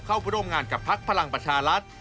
เข้าร่วมงานกับพักพลังประชารัฐ